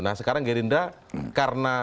nah sekarang gerindra karena